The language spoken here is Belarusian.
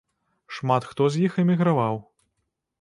Шмат хто з іх эміграваў.